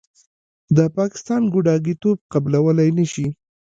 د پاکستان ګوډاګیتوب قبلولې نشي.